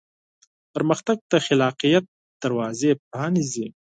پرمختګ د خلاقیت دروازې پرانیزي.